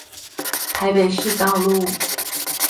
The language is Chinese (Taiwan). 台北市道路